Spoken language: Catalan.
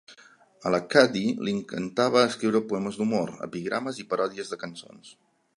A la Cady li encantava escriure poemes d'humor, epigrames i paròdies de cançons.